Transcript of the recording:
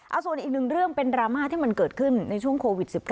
เอาส่วนอีกหนึ่งเรื่องเป็นดราม่าที่มันเกิดขึ้นในช่วงโควิด๑๙